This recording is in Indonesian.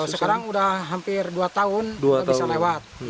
sekarang udah hampir dua tahun bisa lewat